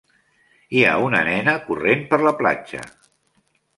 Hi ha una nena corrent per la platja.